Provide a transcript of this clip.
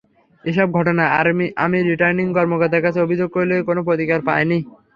এসব ঘটনায় আমি রিটার্নিং কর্মকর্তার কাছে অভিযোগ করেও কোনো প্রতিকার পাইনি।